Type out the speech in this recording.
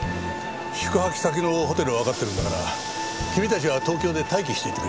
宿泊先のホテルはわかってるんだから君たちは東京で待機していてくれ。